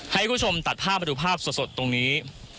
ให้คุณผู้ชมตัดภาพมาดูภาพสดตรงนี้